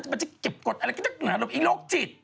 มันจะเก็บกดอะไรก็จะเหนือลงอีโลกจิต